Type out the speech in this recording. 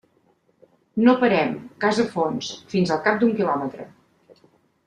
No parem, gas a fons, fins al cap d'un quilòmetre.